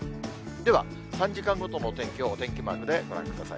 では、３時間ごとのお天気を、お天気マークでご覧ください。